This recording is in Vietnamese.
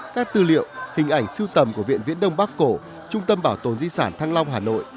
các tư liệu hình ảnh sưu tầm của viện viễn đông bắc cổ trung tâm bảo tồn di sản thăng long hà nội